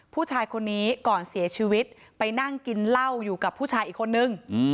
ผู้ชายคนนี้ก่อนเสียชีวิตไปนั่งกินเหล้าอยู่กับผู้ชายอีกคนนึง